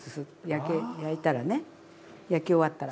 焼いたらね焼き終わったら。